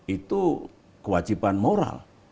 itu kewajiban moral